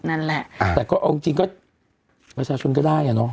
นั่นแหละแต่ก็เอาจริงก็ประชาชนก็ได้อ่ะเนอะ